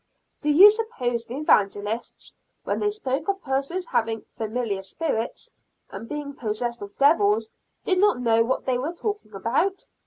"Do you suppose the Evangelists, when they spoke of persons having 'familiar spirits,' and being 'possessed of devils,' did not know what they were talking about?